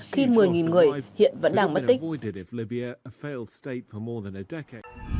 khi một mươi người hiện vẫn đang mất tích